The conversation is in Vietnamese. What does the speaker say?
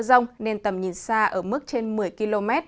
mưa rong nên tầm nhìn xa ở mức trên một mươi km